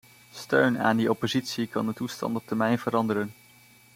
Steun aan die oppositie kan de toestand op termijn veranderen.